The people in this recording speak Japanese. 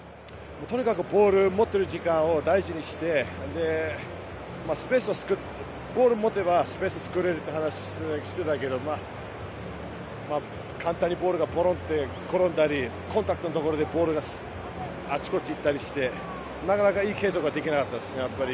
とにかくボールを持っている時間を大事にしてボールを持てばスペースを作れると話をしていたけど簡単にボールが転んだりコンタクトのところでボールがあちこち行ったりしてなかなかいい継続ができなくて。